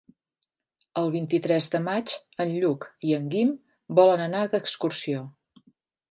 El vint-i-tres de maig en Lluc i en Guim volen anar d'excursió.